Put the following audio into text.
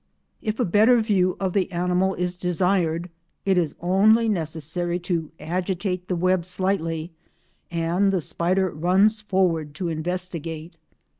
If a better view of the animal is desired it is only necessary to agitate the web slightly and the spider runs forward to investigate.